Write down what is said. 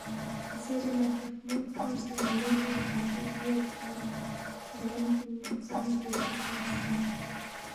زیرے نہ فیاخمو کھیونگسے مو سی دے کھاتودی یودپی چھہ لین کُن زدمسے ایکھہ فنگس